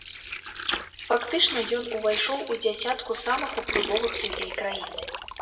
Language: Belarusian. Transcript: Фактычна, ён увайшоў у дзясятку самых уплывовых людзей краіны.